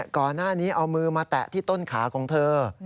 ก่อนหน้านี้เอามือมาแตะที่ต้นขาของเธอ